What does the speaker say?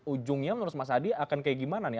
ujungnya menurut mas adi akan kayak gimana nih